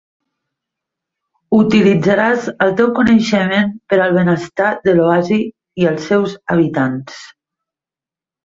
Utilitzaràs el teu coneixement per al benestar de l'oasi i els seus habitants.